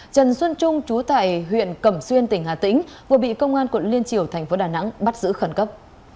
trần xuân trung chú tại huyện cẩm xuyên tỉnh hà tĩnh vừa bị công an quận liên triều thành phố đà nẵng bắt giữ khẩn cấp